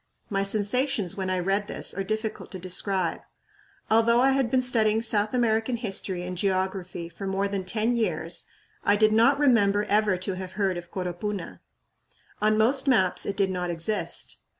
My sensations when I read this are difficult to describe. Although I had been studying South American history and geography for more than ten years, I did not remember ever to have heard of Coropuna. On most maps it did not exist.